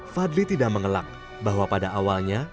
fadli tidak mengelak bahwa pada awalnya